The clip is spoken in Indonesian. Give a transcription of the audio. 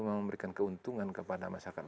memberikan keuntungan kepada masyarakat